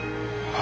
あ？